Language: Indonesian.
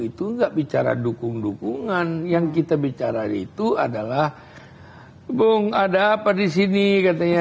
itu enggak bicara dukung dukungan yang kita bicara itu adalah bung ada apa di sini katanya